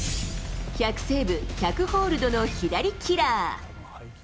１００セーブ、１００ホールドの左キラー。